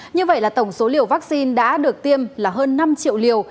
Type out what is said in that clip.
như vậy là tổng số liều vaccine đã được tiêm là hơn năm triệu liều